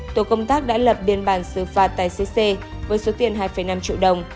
tổ công tác đã lập biên bản xử phạt tài xế xe với số tiền hai năm triệu đồng